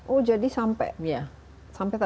oh jadi sampai dua puluh satu hari itu sendiri